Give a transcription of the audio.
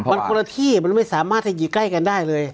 มันคนละที่มันไม่สามารถจะอยู่ใกล้กันได้เลย